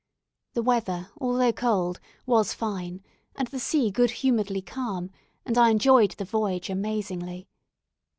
The weather, although cold, was fine, and the sea good humouredly calm, and I enjoyed the voyage amazingly.